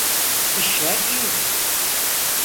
İşler iyi.